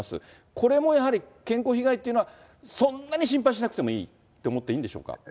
これもやはり健康被害というのは、そんなに心配しなくてもいいと思っていいんでしょうか？